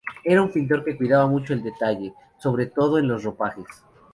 Era un pintor que cuidaba mucho el detalle, sobre todo en los ropajes.